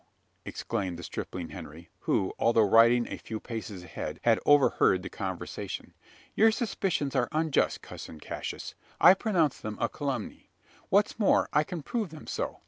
exclaimed the stripling Henry, who, although riding a few paces ahead, had overheard the conversation. "Your suspicions are unjust, cousin Cassius. I pronounce them a calumny. What's more, I can prove them so.